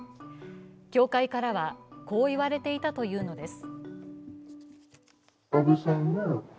教会からは、こういわれていたというのです。